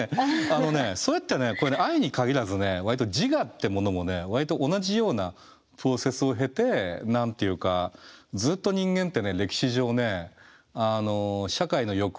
あのねそれって愛に限らずね割と自我ってものもね割と同じようなプロセスを経て何て言うかずっと人間って歴史上ね社会の抑圧っていうかな